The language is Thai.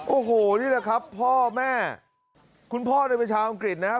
โอ้โหนี่แหละครับพ่อแม่คุณพ่อเนี่ยเป็นชาวอังกฤษนะครับ